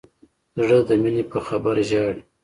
زړه د مینې په خبر ژاړي.